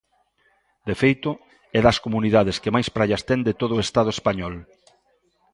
De feito é das comunidades que máis praias ten de todo o Estado español.